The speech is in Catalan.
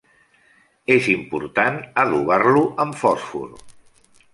És important adobar-lo amb fòsfor.